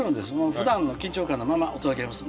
ふだんの緊張感のままお届けします。